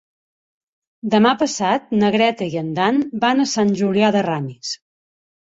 Demà passat na Greta i en Dan van a Sant Julià de Ramis.